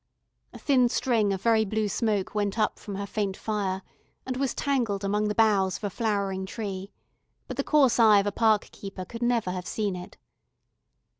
A thin string of very blue smoke went up from her faint fire and was tangled among the boughs of a flowering tree, but the coarse eye of a park keeper could never have seen it.